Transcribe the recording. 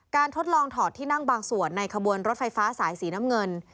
ทดลองถอดที่นั่งบางส่วนในขบวนรถไฟฟ้าสายสีน้ำเงิน